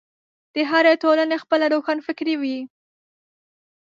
د هرې ټولنې خپله روښانفکري وي.